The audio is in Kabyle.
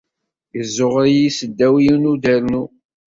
Yezzuɣer-iyi seddaw yiwen n udernu.